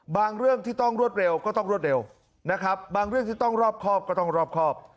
เรื่องที่ต้องรวดเร็วก็ต้องรวดเร็วนะครับบางเรื่องที่ต้องรอบครอบก็ต้องรอบครอบ